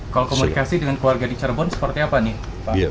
kalau komunikasi dengan keluarga di cirebon seperti apa nih pak